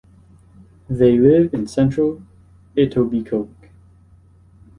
They live in central Etobicoke.